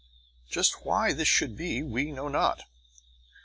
Just why this should be, we know not.